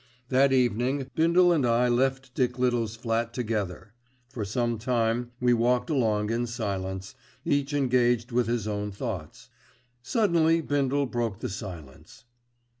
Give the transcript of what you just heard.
That evening Bindle and I left Dick Little's flat together. For some time we walked along in silence, each engaged with his own thoughts. Suddenly Bindle broke the silence.